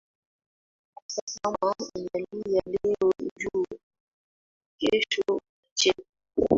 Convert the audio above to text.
Hata kama unalia leo jua kesho utacheka.